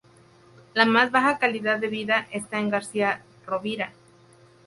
La más baja calidad de vida está en García Rovira.